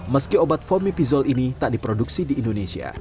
meski obat fomipizol ini tak diproduksi di indonesia